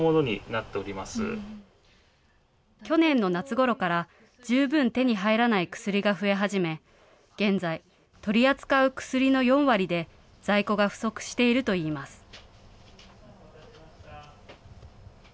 去年の夏ごろから、十分手に入らない薬が増え始め、現在、取り扱う薬の４割で在庫が不足しているといいます。